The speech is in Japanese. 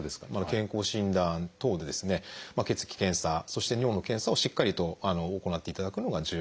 健康診断等で血液検査そして尿の検査をしっかりと行っていただくのが重要かと思います。